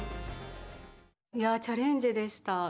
いやチャレンジでした。